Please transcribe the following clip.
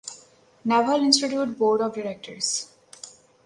Naval Institute Board of Directors.